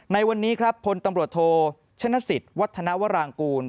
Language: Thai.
ในวันนี้ครับพลตำรวจโทชนสิทธิ์วัฒนาวรางกูล